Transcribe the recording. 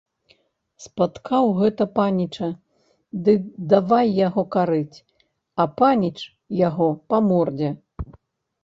Спаткаў гэта паніча ды давай яго карыць, а паніч яго па мордзе.